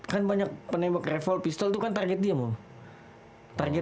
kan banyak penembak revol pistol itu kan target dia mah